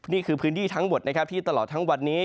นี่คือพื้นที่ทั้งหมดนะครับที่ตลอดทั้งวันนี้